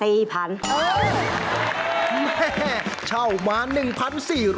แหมเฉ้ามา๑๔๐๐บาท